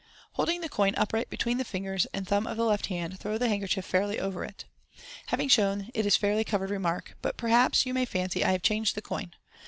Holding the coin upright between the fingers and thumb of the left hand, thtow the handkerchief fairly over it. Having shown that it is fairly covered, remark, " But perhaps you may fancy I have changed the coin.